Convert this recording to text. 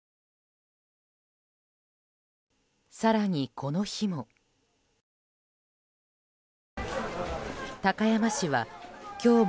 更に、この日も。